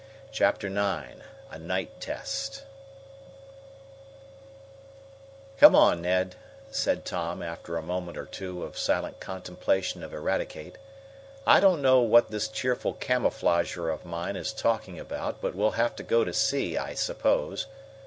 Chapter IX A Night Test "Come on, Ned," said Tom, after a moment or two of silent contemplation of Eradicate. "I don't know what this cheerful camouflager of mine is talking about, but we'll have to go to see, I suppose.